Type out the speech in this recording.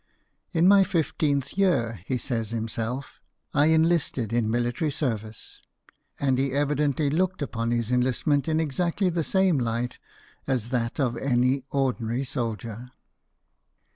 " In my fifteenth year," he says himself, " I enlisted in military service," and he evidently looked upon his enlistment in exactly the same light as that of any ordinary soldier.